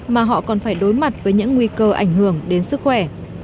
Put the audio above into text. mà họ còn phải đối mặt với những nguy cơ ảnh hưởng đến sức khỏe